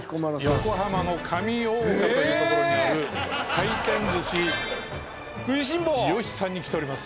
横浜の上大岡という所にある廻転寿し義さんに来ております。